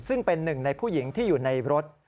ซึ่งเป็นหนึ่งในผู้หญิงที่อยู่ในรถ